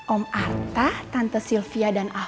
om arta tante sylvia dan afif